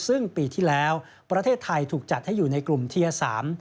ซึ่งปีที่แล้วประเทศไทยถูกจัดให้อยู่ในกลุ่มเทียร์สาม